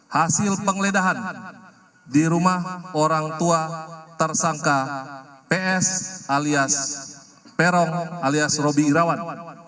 hasil penggeledahan di rumah orang tua tersangka ps alias peron alias roby irawan